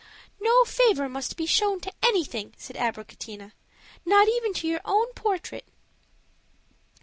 "No favor must be shown to anything," said Abricotina, "not even to your own portrait."